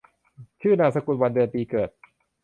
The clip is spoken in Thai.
ชื่อนามสกุล วันเดือนปีเกิด